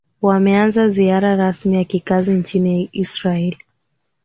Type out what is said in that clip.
wa ameanza ziara rasmi ya kikazi nchini israel